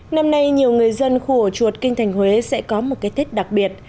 năm nay nhiều người dân khu ổ chuột kinh thành huế sẽ có một cái tết đặc biệt